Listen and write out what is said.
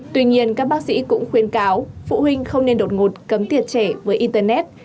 tuy nhiên các bác sĩ cũng khuyên cáo phụ huynh không nên đột ngột cấm tiệt trẻ với internet